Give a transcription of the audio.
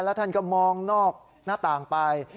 แล้วท่านก็มองนอกหน้าต่างไป